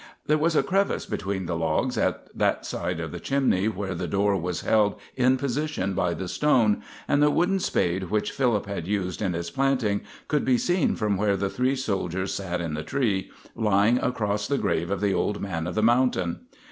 There was a crevice between the logs at that side of the chimney where the door was held in position by the stone, and the wooden spade which Philip had used in his planting could be seen from where the three soldiers sat in the tree, lying across the grave of the old man of the mountain.